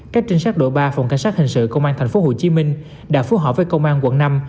các trinh sát đội ba phòng cảnh sát hình sự công an tp hcm đã phối hợp với công an quận năm